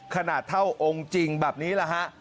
ขนาดเท่าองค์จริงแบบนี้แหละฮะ